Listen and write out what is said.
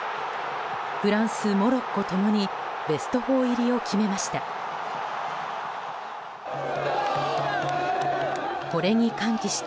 フランス、モロッコ共にベスト４入りを決めました。